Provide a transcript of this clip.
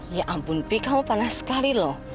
ya ampun pikir kamu panas sekali loh